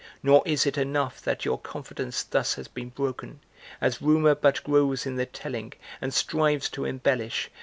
Nor is it enough that your confidence thus has been broken, As rumor but grows in the telling and strives to embellish.